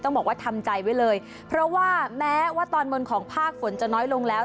บอกว่าทำใจไว้เลยเพราะว่าแม้ว่าตอนบนของภาคฝนจะน้อยลงแล้ว